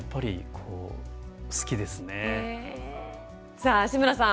さあ志村さん